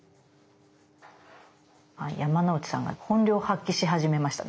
山之内さんが本領発揮し始めましたね。